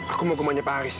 aku mau ke rumahnya pak haris